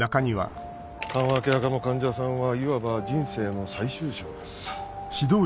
緩和ケア科の患者さんはいわば人生の最終章です。